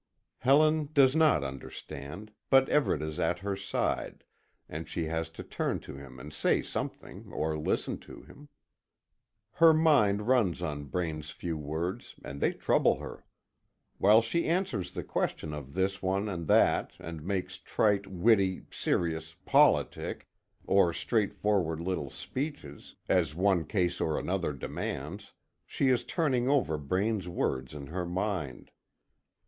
Helen does not understand, but Everet is at her side, and she has to turn to him, and say something, or listen to him. Her mind runs on Braine's few words, and they trouble her. While she answers the questions of this one and that, and makes trite, witty, serious, politic, or straightforward little speeches, as one case or another demands, she is turning over Braine's words in her mind.